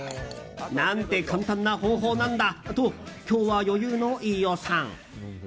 何て簡単な方法なんだと今日は余裕の飯尾さん。